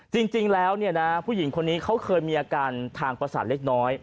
จริงแล้วเนี่ยนะพวยิ่งคนนี้เค้าเคยมีอาการทางประสาทเล็กน้อย